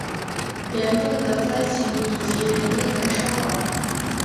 严重的灾情以及人命的伤亡